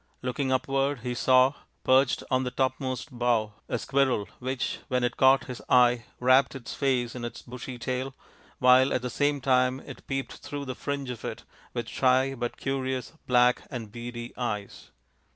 Looking upward he saw, perched on the topmost bough, a squirrel which, when it caught his eye, wrapped its face in its bushy tail, while at the same time it peeped through the fringe of it with shy but curious, black, and beady eyes.